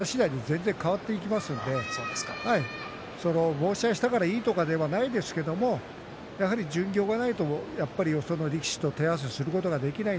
それは本人のやり方次第で全然変わってきますので申し合いしたからいいということではないんですけれどやはり巡業がないとよその力士と手合わせすることがない。